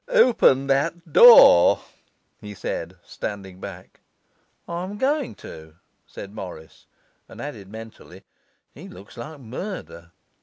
'Open that door,' he said, standing back. 'I am going to,' said Morris, and added mentally, 'He looks like murder!